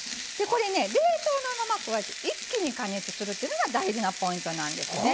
これね冷凍のままこうやって一気に加熱するっていうのが大事なポイントなんですね。